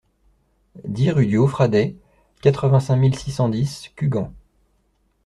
dix rue du Haut Fradet, quatre-vingt-cinq mille six cent dix Cugand